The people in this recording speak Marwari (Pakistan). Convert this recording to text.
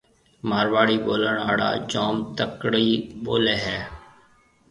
مارواڙِي ٻولڻ آݪا جوم تڪڙِي ٻوليَ هيَ۔